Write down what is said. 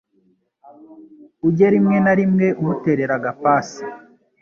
ujye rimwe na rimwe umuterera agapasi